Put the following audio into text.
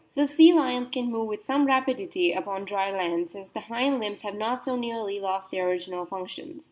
The sea lions can move with some rapidity upon dry land, since the hind limbs have not so nearly lost their original functions.